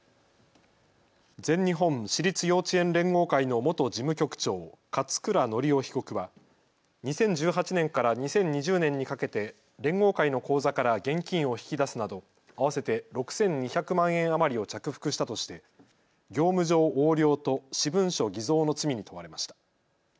全日本私立幼稚園連合会の元事務局長、勝倉教雄被告は２０１８年から２０２０年にかけて連合会の口座から現金を引き出すなど、合わせて６２００万円余りを着服したとして業務上横領と私文書偽造の罪に問われました。